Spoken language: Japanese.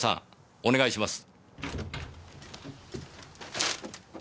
お願いします。